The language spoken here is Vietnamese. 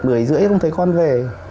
bữa rưỡi không thấy con về